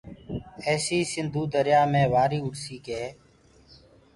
ايسي سنڌيٚ دريآ مي وآريٚ اُڏسيٚ ڪر